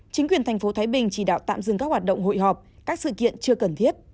chính quyền thành phố thái bình chỉ đạo tạm dừng các hoạt động hội họp các sự kiện chưa cần thiết